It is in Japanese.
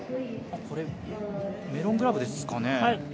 これ、メロングラブですかね。